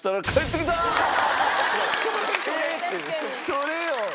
それよ。